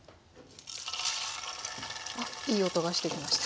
あっいい音がしてきました。